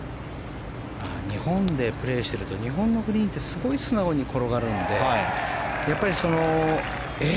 日本でプレーしていると日本のグリーンってすごい素直に転がるのでやっぱり、え？